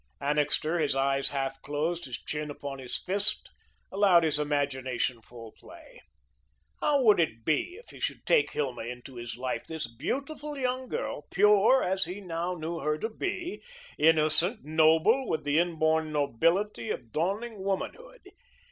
Annixter, his eyes half closed, his chin upon his fist, allowed his imagination full play. How would it be if he should take Hilma into his life, this beautiful young girl, pure as he now knew her to be; innocent, noble with the inborn nobility of dawning womanhood?